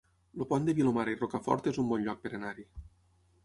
El Pont de Vilomara i Rocafort es un bon lloc per anar-hi